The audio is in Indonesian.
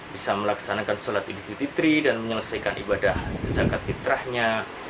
bisa melaksanakan sholat idul fitri dan menyelesaikan ibadah zakat fitrahnya